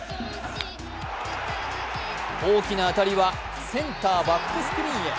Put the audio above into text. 大きな当たりはセンターバックスクリーンへ。